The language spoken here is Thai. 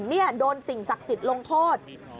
นี่โดนสิ่งศักดิ์สิทธิ์ลงโทษ